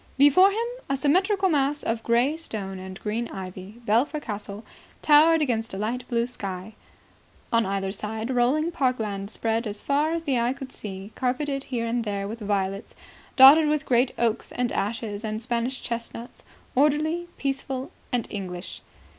Before him, a symmetrical mass of grey stone and green ivy, Belpher Castle towered against a light blue sky. On either side rolling park land spread as far as the eye could see, carpeted here and there with violets, dotted with great oaks and ashes and Spanish chestnuts, orderly, peaceful and English.